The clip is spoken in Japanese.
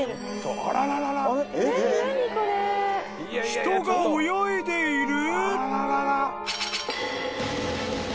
［人が泳いでいる？］